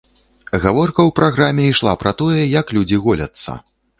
Гаворка ў праграме ішла пра тое, як людзі голяцца.